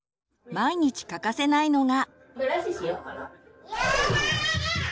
毎日欠かせないのが。